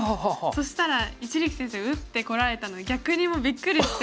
そしたら一力先生打ってこられたので逆にもうびっくりして。